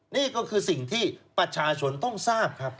นี่ก็คือสิ่งที่ประชาชนต้องทราบครับ